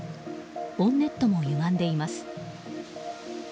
ボンネットもゆがんでいます。